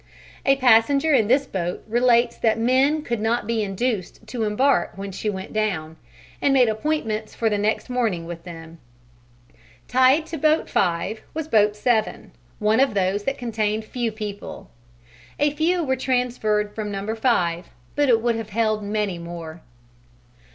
A passenger in this boat relates that men could not be induced to embark when she went down, and made appointments for the next morning with him. Tied to boat 5 was boat 7, one of those that contained few people: a few were transferred from number 5, but it would have held many more.